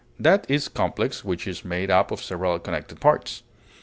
That is complex which is made up of several connected parts.